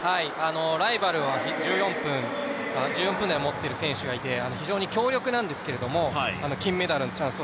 ライバルは１４分台持っている選手がいて非常に強力なんですけど金メダルのチャンスが。